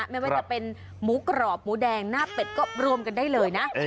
ไม่ว่าจะเป็นหมูกรอบหมูแดงหน้าเป็ดก็รวมกันได้เลยนะ